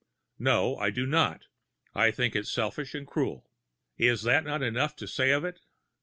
No, I do not; I think it selfish and cruel. Is not that enough to say of it?